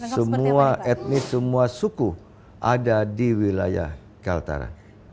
semua etnis semua suku ada di wilayah kaltara